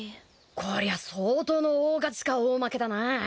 こりゃあ相当の大勝ちか大負けだな。